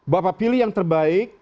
bapak pilih yang terbaik